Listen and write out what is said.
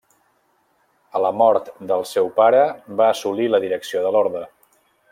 A la mort del seu pare va assolir la direcció de l'orde.